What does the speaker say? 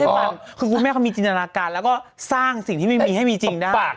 ฟังคือคุณแม่เขามีจินตนาการแล้วก็สร้างสิ่งที่ไม่มีให้มีจริงได้ฝาก